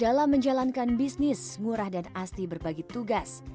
dalam menjalankan bisnis ngurah dan asti berbagi tugas